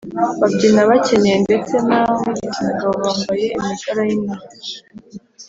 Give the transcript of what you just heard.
babyina bakenyeye ndetse n’ab’igitsina gabo bambaye imigara y’intore